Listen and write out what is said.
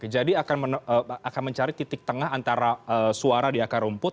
jadi akan mencari titik tengah antara suara di akar rumput